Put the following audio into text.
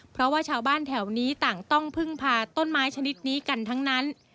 เพราะว่าชาวบ้านแถวนี้ต่างต้องพึ่งพาต้นไม้ชนิดนี้กันทั้งนั้น